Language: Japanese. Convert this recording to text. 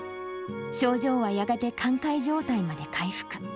症状はやがて寛解状態まで回復。